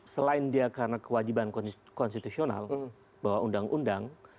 selain dia karena kewajiban konstitusional bahwa undang undang